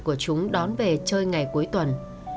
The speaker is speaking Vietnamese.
của chúng đón về chơi ngày cuối tuần